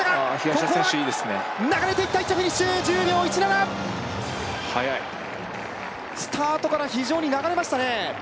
ここは流れていった１着フィニッシュ１０秒１７速いスタートから非常に流れましたね